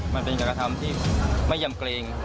มันเป็นการกระทำที่ไม่ยำเกรง